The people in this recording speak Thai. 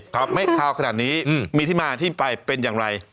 ครับไม่คาวขนาดนี้มีที่มาที่ไปเป็นอย่างไร